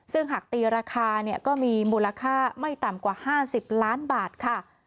ซึ่งหากตีราคาก็มีมูลค่าไม่ต่ำกว่า๕๐ล้านบาทค่ะ